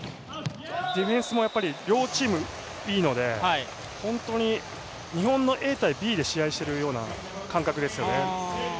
ディフェンスも両チームいいので本当に日本のＡ対Ｂで試合しているような感覚ですよね。